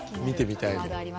見てみたいの。